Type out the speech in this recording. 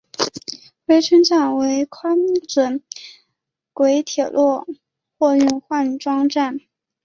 珲春站为宽准轨铁路货运换装站。